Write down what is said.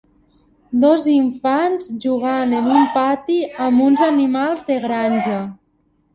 Dos infants jugant en un pati amb uns animals de granja.